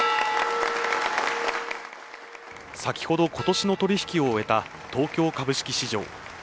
先ほど今年の取引を終えた東京株式市場。